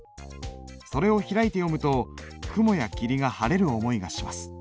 「それを開いて読むと雲や霧が晴れる思いがします」。